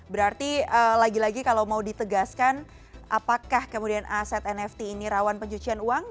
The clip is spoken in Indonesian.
berarti lagi lagi kalau mau ditegaskan apakah kemudian aset nft ini rawan pencucian uang